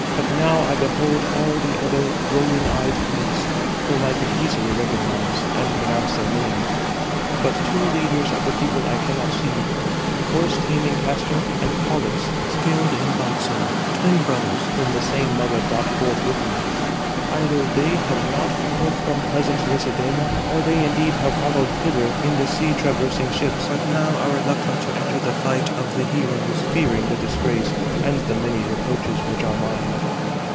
But now I behold all the other rolling eyed Greeks, whom I could easily recognize, and pronounce their names; but two leaders of the people I cannot see: horse taming Castor, and Pollux skilled in boxing, twin brothers, whom the same mother brought forth with me. Either they have not followed from pleasant Lacedæmon, or they indeed have followed hither in the sea traversing ships, but now are reluctant to enter the fight of the heroes, fearing the disgrace, and the many reproaches which are mine."